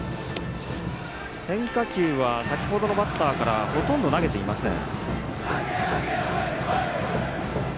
変化球は先ほどのバッターからほとんど投げていません。